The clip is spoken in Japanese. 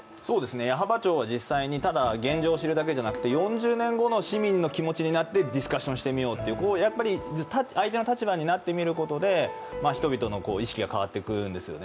矢巾町は実際にただ現状を知るだけじゃなくて４０年後の市民の気持ちになってディスカッションしてみようと、相手の立場になってみることで人々の意識が変わってくんですよね。